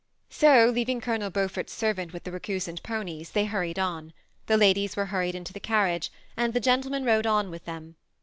So, leaving Colonel Beaufort's servant with the re^ cusant ponies, they hurried on ; the ladies were hurried THE SEMI ATTACHED COUPLE. 273 into the carriage, and the gentlemen rode on with them.